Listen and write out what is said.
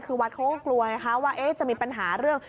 คือวัดเขาก็กลัวไงคะว่าจะมีปัญหาเรื่อง